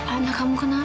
aduh kagum kan apa